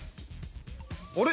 あれ？